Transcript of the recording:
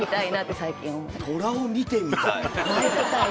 虎を見てみたい？